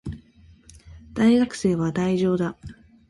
大学生は怠惰だ